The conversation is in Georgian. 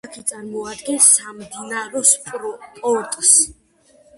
ქალაქი წარმოადგენს სამდინარო პორტს.